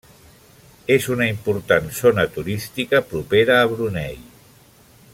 És una important zona turística propera a Brunei.